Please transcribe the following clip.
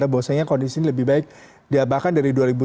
bahwa sehingga kondisi ini lebih baik diambil dari dua ribu delapan